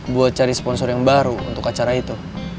buat cari sponsor yang baru untuk acara itu